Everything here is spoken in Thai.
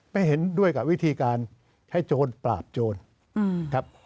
ไม่เห็นด้วยกับวิธีการให้โจรปราบโจรครับ